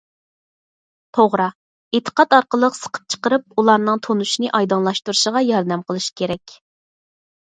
توغرا ئېتىقاد ئارقىلىق سىقىپ چىقىرىپ، ئۇلارنىڭ تونۇشنى ئايدىڭلاشتۇرۇشىغا ياردەم قىلىش كېرەك.